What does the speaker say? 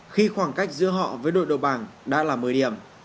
khi khoảng cách giữa họ với đội đầu bảng đã là một mươi điểm